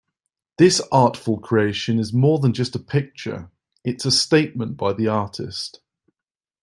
This artful creation is more than just a picture, it's a statement by the artist.